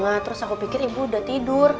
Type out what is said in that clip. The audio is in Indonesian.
nah terus aku pikir ibu udah tidur